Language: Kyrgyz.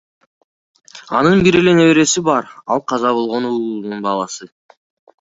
Анын бир эле небереси бар, ал каза болгон уулунун баласы.